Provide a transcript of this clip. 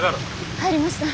入りました！